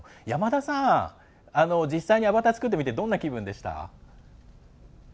山田さん、実際にアバター作ってみてどんな気分でしたか。